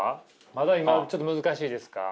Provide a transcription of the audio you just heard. まだ今ちょっと難しいですか？